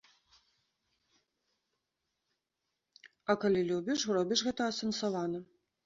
А калі любіш, робіш гэта асэнсавана.